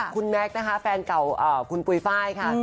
คุณแม็กซ์นะคะแฟนเก่าคุณปุ๋ยไฟล์ค่ะ